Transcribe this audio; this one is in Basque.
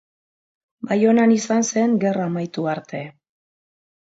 Baionan izan zen gerra amaitu arte.